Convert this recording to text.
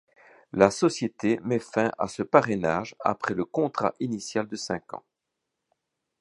La société met fin à ce parrainage après le contrat initial de cinq ans.